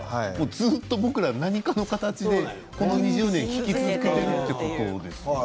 ずっと僕らは何かの形でこの２０年、聴き続けているということですよね。